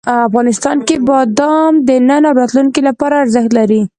افغانستان کې بادام د نن او راتلونکي لپاره ارزښت لري.